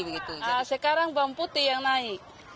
nah sekarang bawang putih yang naik